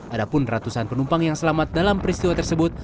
ada pun ratusan penumpang yang selamat dalam peristiwa tersebut